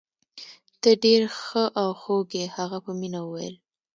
ته ډیر ښه او خوږ يې. هغه په مینه وویل.